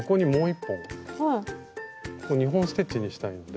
ここ２本ステッチにしたいので。